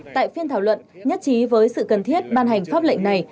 tại phiên thảo luận nhất trí với sự cần thiết ban hành pháp lệnh này